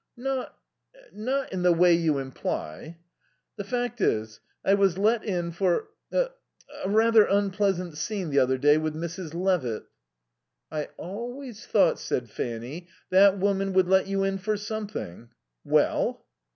"Not not in the way you imply. The fact is, I was let in for a a rather unpleasant scene the other day with Mrs. Levitt." "I always thought," said Fanny, "that woman would let you in for something. Well?"